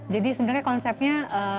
jadi sebenarnya konsepnya